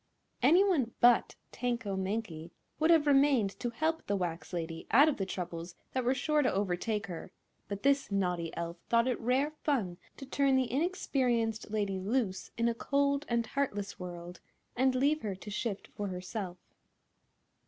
Anyone but Tanko Mankie would have remained to help the wax lady out of the troubles that were sure to overtake her; but this naughty elf thought it rare fun to turn the inexperienced lady loose in a cold and heartless world and leave her to shift for herself.